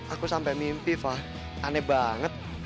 aku sampai mimpi fah aneh banget